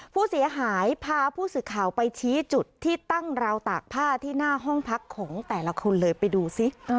ผู้เสียหายพาผู้สื่อข่าวไปชี้จุดที่ตั้งราวตากผ้าที่หน้าห้องพักของแต่ละคนเลยไปดูซิ